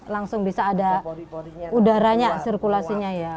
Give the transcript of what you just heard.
langsung bisa ada udaranya sirkulasinya ya